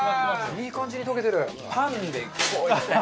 いい感じに溶けてる。